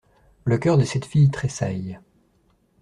Le cœur de cette fille tressaille.